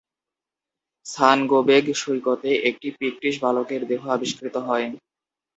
সানগোবেগ সৈকতে একটি পিক্টিশ বালকের দেহ আবিষ্কৃত হয়।